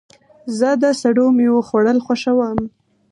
زه د سړو میوو خوړل خوښوم.